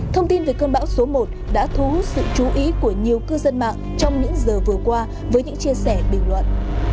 thông tin về cơn bão số một đã thu hút sự chú ý của nhiều cư dân mạng trong những giờ vừa qua với những chia sẻ bình luận